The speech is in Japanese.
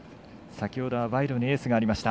先ほどはワイドにエースがありました。